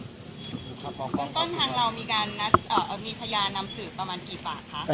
ต้นทางเรามีการนัดเอ่อมีพยานนำสื่อประมาณกี่ปากคะ